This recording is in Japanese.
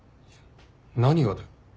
何がだよ。